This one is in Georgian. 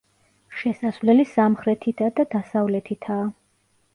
შესასვლელი სამხრეთითა და დასავლეთითაა.